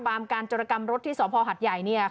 บาปการจรกรรมรถที่สหพาหัตต์ใหญ่